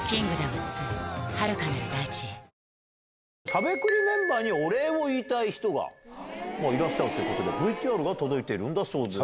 しゃべくりメンバーにお礼を言いたい人がいらっしゃるということで、ＶＴＲが届いているんだそうです。